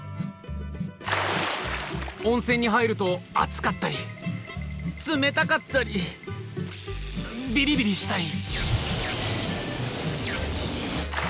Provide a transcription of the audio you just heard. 温泉に入ると熱かったり冷たかったりビリビリしたり。